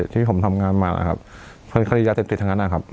ที่ผมทำงานมานะครับเป็นคดียาเสพติดทั้งนั้นนะครับ